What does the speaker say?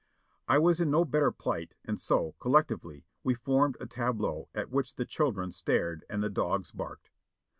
I was in no better plight and so, collectively, we formed a tableau at which the children stared and the dogs barked.